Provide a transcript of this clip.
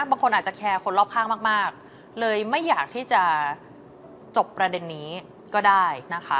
บางคนอาจจะแคร์คนรอบข้างมากเลยไม่อยากที่จะจบประเด็นนี้ก็ได้นะคะ